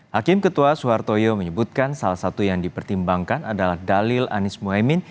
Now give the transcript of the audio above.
hakim ketua suhartoyo menyebutkan salah satu yang dipertimbangkan adalah dalil anies mohaimin